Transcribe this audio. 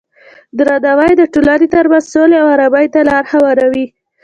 درناوی د ټولنې ترمنځ سولې او ارامۍ ته لاره هواروي.